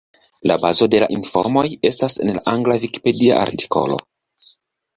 La bazo de la informoj estas en la angla vikipedia artikolo.